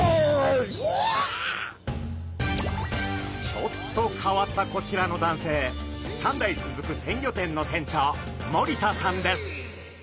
ちょっと変わったこちらの男性３代続く鮮魚店の店長森田さんです。